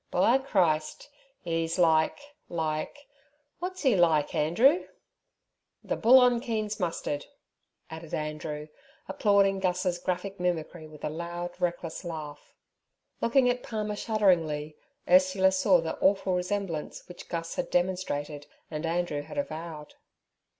'By Christ! 'e's like—like—wot's 'e like, Andrew?' 'The bull on Keen's mustard' added Andrew, applauding Gus's graphic mimicry with a loud, reckless laugh. Looking at Palmer shudderingly, Ursula saw the awful resemblance which Gus had demonstrated and Andrew had avowed.